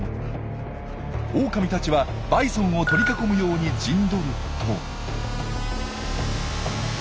オオカミたちはバイソンを取り囲むように陣取ると。